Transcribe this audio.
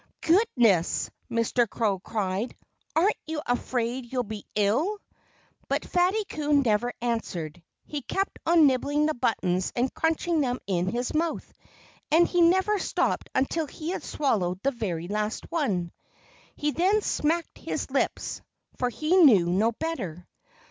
"Goodness!" Mr. Crow cried. "Aren't you afraid you'll be ill?" But Fatty Coon never answered. He kept on nibbling the buttons and crunching them in his mouth. And he never stopped until he had swallowed the very last one. Then he smacked his lips (for he knew no better).